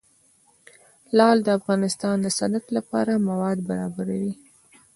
لعل د افغانستان د صنعت لپاره مواد برابروي.